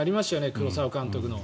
黒澤監督の。